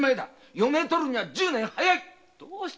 嫁取るのは１０年早い。